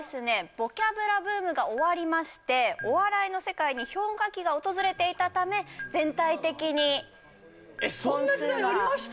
ボキャブラブームが終わりましてお笑いの世界に氷河期が訪れていたため全体的に本数がそんな時代ありました？